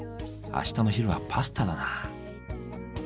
あしたの昼はパスタだな。